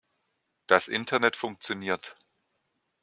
Das Internet funktioniert.